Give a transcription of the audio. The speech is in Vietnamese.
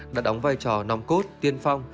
đã đóng vai trò nòng cốt tiên phong